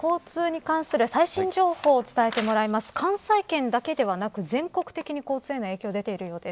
関西圏だけではなく全国的に交通への影響が出ているようです。